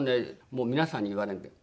もう皆さんに言われるんで。